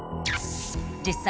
実際